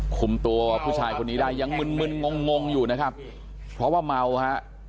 คุมตัวผู้ชายคนนี้ได้ยังมึนมึนงงงอยู่นะครับเพราะว่าเมาฮะ